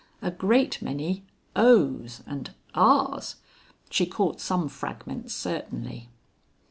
A great many Ohs! and Ahs! She caught some fragments certainly.